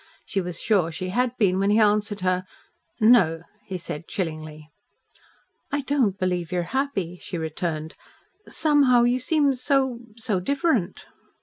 She was sure she had been when he answered her. "No," he said chillingly. "I don't believe you are happy," she returned. "Somehow you seem so so different."